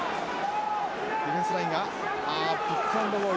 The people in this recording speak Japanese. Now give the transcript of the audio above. ディフェンスラインがあピックアンドゴー。